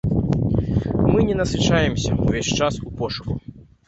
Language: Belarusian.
Мы не насычаемся, ўвесь час ў пошуку.